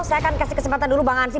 saya akan kasih kesempatan dulu bang ansyi